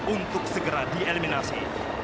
untuk segera dieliminasi